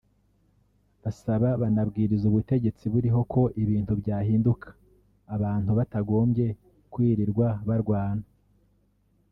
basaba banabwiriza ubutegetsi buriho ko ibintu byahinduka abantu batagombye kwirirwa barwana